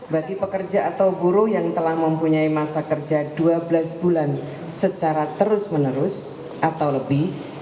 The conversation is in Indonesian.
bagi pekerja atau guru yang telah mempunyai masa kerja dua belas bulan secara terus menerus atau lebih